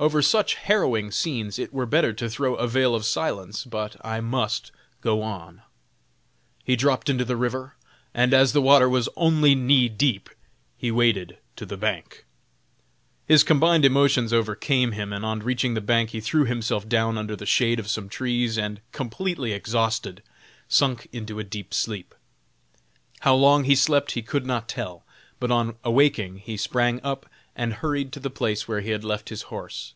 Over such harrowing scenes it were better to throw a veil of silence, but I must go on. He dropped into the river, and as the water was only knee deep, he waded to the bank. His combined emotions overcame him, and on reaching the bank he threw himself down under the shade of some trees and, completely exhausted, sunk into a deep sleep. How long he slept he could not tell, but on awaking he sprang up and hurried to the place where he had left his horse.